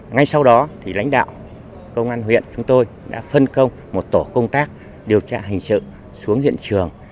ngay sau đó lãnh đạo công an huyện chúng tôi đã phân công một tổ công tác điều tra hình sự xuống hiện trường